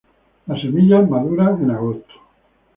Las semillas maduran en agosto.